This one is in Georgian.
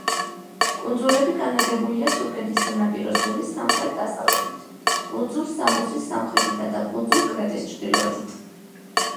კუნძულები განლაგებულია თურქეთის სანაპირო ზოლის სამხრეთ დასავლეთით, კუნძულ სამოსის სამხრეთითა და კუნძულ კრეტის ჩრდილოეთით.